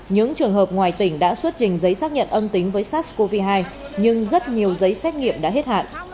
những trường hợp ngoài tỉnh đã xuất trình giấy xác nhận âm tính với sars cov hai nhưng rất nhiều giấy xét nghiệm đã hết hạn